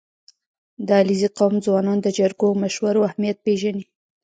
• د علیزي قوم ځوانان د جرګو او مشورو اهمیت پېژني.